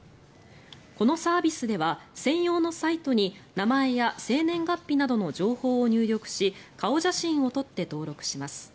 このサービスでは専用のサイトに名前や生年月日などの情報を入力し顔写真を撮って登録します。